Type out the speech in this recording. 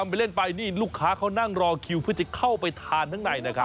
ไปเล่นไปนี่ลูกค้าเขานั่งรอคิวเพื่อจะเข้าไปทานข้างในนะครับ